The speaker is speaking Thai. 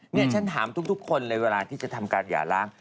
นี่ฉันถามทุกคนเลยเวลาที่จะทำการหย่าล้าง